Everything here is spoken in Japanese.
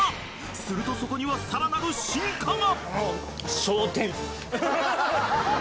するとそこにはさらなる進化が！？